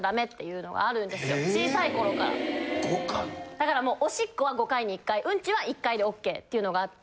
だからもうおしっこは５回に１回ウンチは１回でＯＫっていうのがあって。